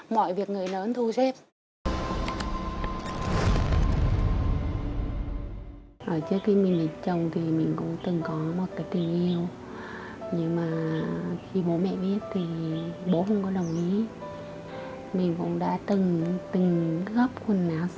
mọi việc người lớn thu